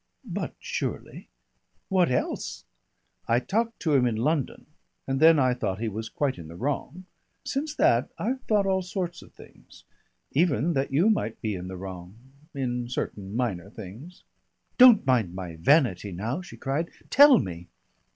"But surely! what else ?" "I talked to him in London and then I thought he was quite in the wrong. Since that I've thought all sorts of things even that you might be in the wrong. In certain minor things." "Don't mind my vanity now," she cried. "Tell me."